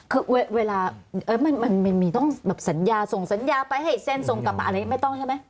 คือเวลามันมีต้องแบบสัญญาส่งสัญญาไปให้เซ็นส่งกลับมาอันนี้ไม่ต้องใช่ไหม